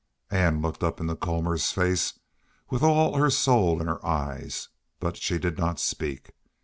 Ann looked up into Colmor's face with all her soul in her eyes, but she did not speak.